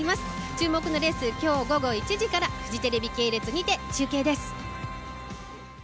注目のレース、きょう午後１時から、フジテレビ系列にて中継です。